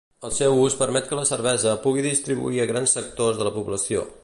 El seu ús permet que la cervesa pugui distribuir a grans sectors de la població.